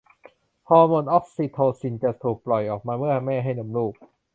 ฮอร์โมนออกซิโทซินจะถูกปล่อยออกมาเมื่อแม่ให้นมลูก